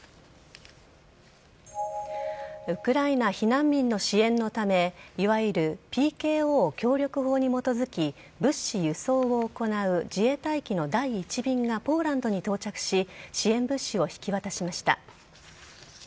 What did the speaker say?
ウクライナ避難民の支援のためいわゆるＰＫＯ協力法に基づき物資輸送を行う自衛隊機の第１便がポーランドに到着し支援物資を引き渡しました。